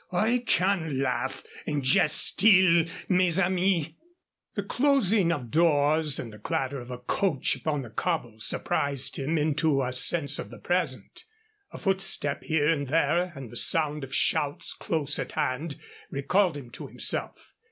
I can laugh and jest still, mes amis " The closing of doors and the clatter of a coach upon the cobbles surprised him into a sense of the present. A footstep here and there and the sound of shouts close at hand recalled him to himself.